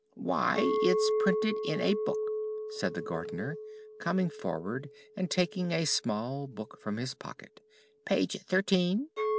"Why, it's printed in a book," said the Gardener, coming forward and taking a small book from his pocket. "Page thirteen.